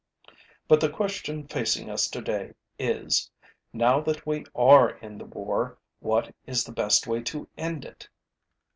But the question facing us today is: Now that we are in the war, what is the best way to end it?